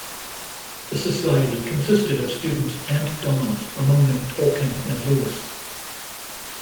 The society consisted of students and dons, among them Tolkien and Lewis.